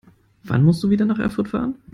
Wann musst du wieder nach Erfurt fahren?